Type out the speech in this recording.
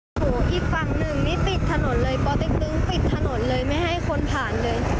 โอ้โหอีกฝั่งหนึ่งนี่ปิดถนนเลยปเต็กตึงปิดถนนเลยไม่ให้คนผ่านเลย